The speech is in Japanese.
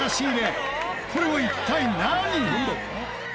これは一体何？